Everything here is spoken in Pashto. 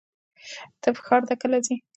ته ښار ته کله ځې؟